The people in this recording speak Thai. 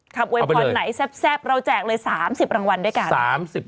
โวยพรไหนแซ่บเราแจกเลย๓๐รางวัลด้วยกัน